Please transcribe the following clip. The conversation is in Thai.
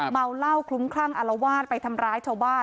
เปล่าเหล้าคลุมครั่งอะละวาดไปทำร้ายเซุวบ้าน